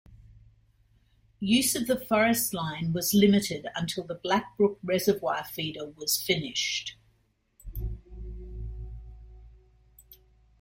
Use of the Forest Line was limited until the Blackbrook Reservoir feeder was finished.